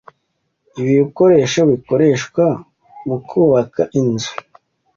Ibi bikoresho bikoreshwa mukubaka inzu.